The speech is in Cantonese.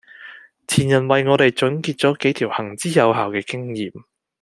前人為我哋總結咗幾條行之有效嘅經驗